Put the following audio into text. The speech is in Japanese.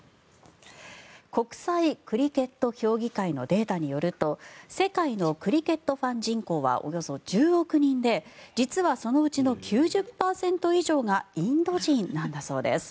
国際クリケット評議会のデータによると世界のクリケットファン人口はおよそ１０億人で実はそのうちの９０％以上がインド人なんだそうです。